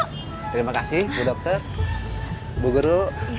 terima kasih bu dokter bu guru